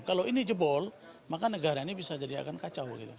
kalau ini jebol maka negara ini bisa jadi akan kacau